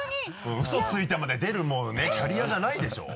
ウソついてまで出るもうねキャリアじゃないでしょう？